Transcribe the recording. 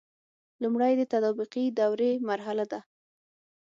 لمړی د تطابقي دورې مرحله ده.